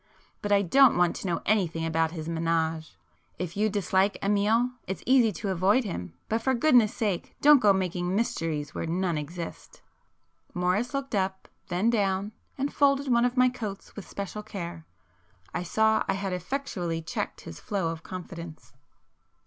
But I don't want to know anything about his ménage. If you dislike Amiel, it's easy to avoid him, but for goodness sake don't go making mysteries where none exist." Morris looked up, then down, and folded one of my coats with special care. I saw I had effectually checked his flow of confidence.